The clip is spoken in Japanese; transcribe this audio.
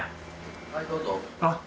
はいどうぞ。